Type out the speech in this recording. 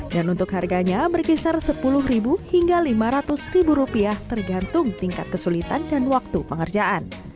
dan untuk harganya berkisar sepuluh hingga lima ratus rupiah tergantung tingkat kesulitan dan waktu pengerjaan